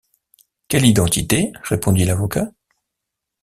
Quelle identité? répondit l’avocat.